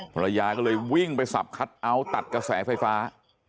ภรรยาก็เลยวิ่งไปสับคัทเอาท์ตัดกระแสไฟฟ้า